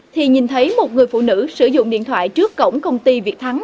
thì nhìn thấy một người phụ nữ sử dụng điện thoại trước cổng công ty việt thắng